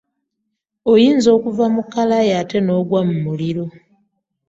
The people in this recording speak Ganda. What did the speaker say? Oyinza okuva mu kkalaayi ate n'ogwa mu muliro.